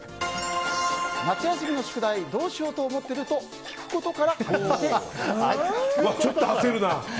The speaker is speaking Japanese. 夏休みの宿題どうしようと思っている？と聞くことから始める。